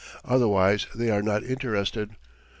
Otherwise they are not interested.